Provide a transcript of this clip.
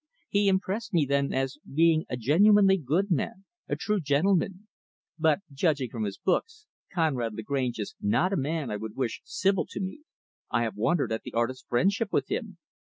"He impressed me, then, as being a genuinely good man a true gentleman. But, judging from his books, Conrad Lagrange is not a man I would wish Sibyl to meet. I have wondered at the artist's friendship with him."